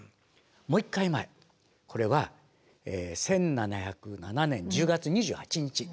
もう一回前これは１７０７年１０月２８日。